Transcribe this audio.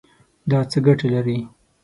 دا څه ګټه لري؟